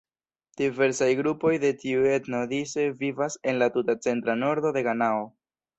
Diversaj grupoj de tiu etno dise vivas en la tuta centra nordo de Ganao.